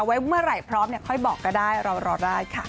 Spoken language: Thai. ไว้เมื่อไหร่พร้อมค่อยบอกก็ได้เรารอได้ค่ะ